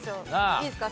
いいですか？